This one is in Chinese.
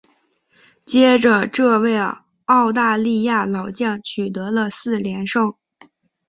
接着这位澳大利亚老将取得了四连胜。